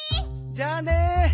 じゃあね！